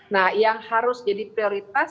nah yang harus jadi prioritas